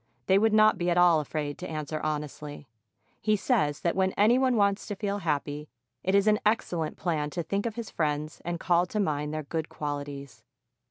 they would not be at all afraid to answer honestly. He says that when any one wants to feel happy, it is an excellent plan to think of his friends and call to mind their good qualities.